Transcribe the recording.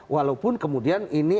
walaupun kemudian ini